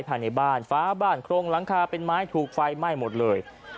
ภายในบ้านฟ้าบ้านโครงหลังคาเป็นไม้ถูกไฟไหม้หมดเลย